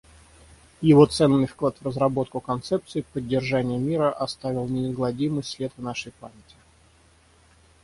Его ценный вклад в разработку концепции поддержания мира оставил неизгладимый след в нашей памяти.